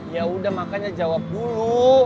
ya udah makanya jawab dulu